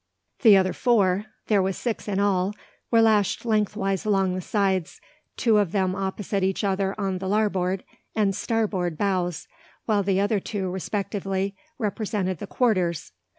The other four there were six in all were lashed lengthwise along the sides, two of them opposite each other on the larboard and starboard bows, while the other two respectively represented the "quarters."